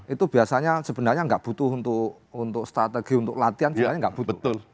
itu biasanya sebenarnya nggak butuh untuk strategi untuk latihan sebenarnya nggak butuh